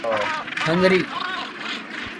Hungary